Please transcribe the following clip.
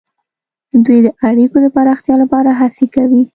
دوی د اړیکو د پراختیا لپاره هڅې کوي